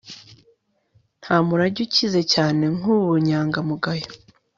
nta murage ukize cyane nk'ubunyangamugayo